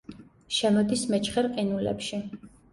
შემოდის მეჩხერ ყინულებში.